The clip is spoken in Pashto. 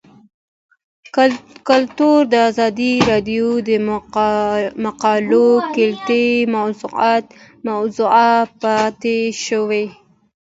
کلتور د ازادي راډیو د مقالو کلیدي موضوع پاتې شوی.